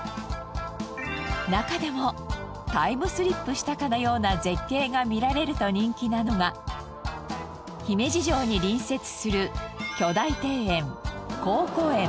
中でもタイムスリップしたかのような絶景が見られると人気なのが姫路城に隣接する巨大庭園好古園。